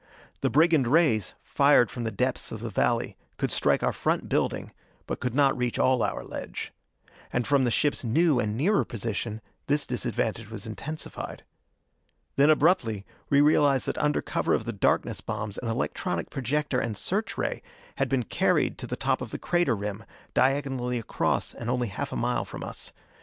The brigand rays, fired from the depths of the valley, could strike our front building, but could not reach all our ledge. And from the ship's new and nearer position this disadvantage was intensified. Then abruptly we realized that under cover of darkness bombs an electronic projector and search ray had been carried to the top of the crater rim, diagonally across and only half a mile from us.